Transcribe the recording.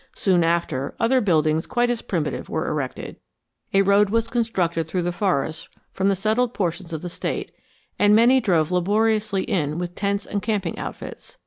Soon after, other buildings quite as primitive were erected. A road was constructed through the forests from the settled portions of the State, and many drove laboriously in with tents and camping outfits.